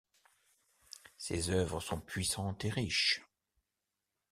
Ces œuvres sont puissantes et riches.